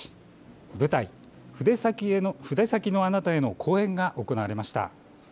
舞台「筆先のあなたへ」の公演が行われました。